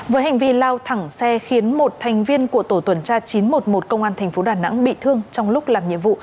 với hành vi lao thẳng xe khiến một thành viên của tổ tuần tra chín trăm một mươi một công an tp đà nẵng bị thương trong lúc làm nhiệm vụ